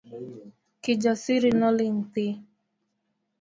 Kijasiri noling thii.